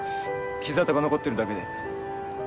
傷痕が残ってるだけで。